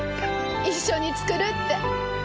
一緒に作るって。